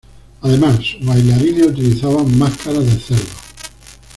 Además sus bailarines utilizaban máscaras de cerdos.